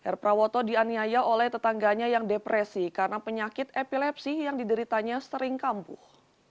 r prawoto dianiaya oleh tetangganya yang depresi karena penyakit epilepsi yang dideritanya sering kampuh